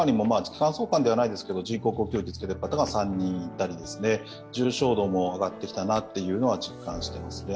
それ以外にも人工呼吸器をつけた方が３人いたり重症度も上がってきたなというのは実感してますね。